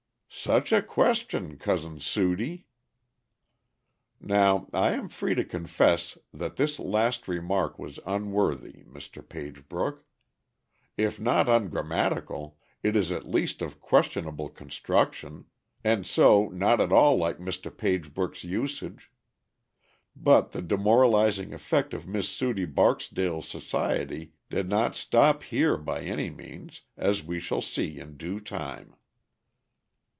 "Such a question, Cousin Sudie!" Now I am free to confess that this last remark was unworthy Mr. Pagebrook. If not ungrammatical, it is at least of questionable construction, and so not at all like Mr. Pagebrook's usage. But the demoralizing effect of Miss Sudie Barksdale's society did not stop here by any means, as we shall see in due time.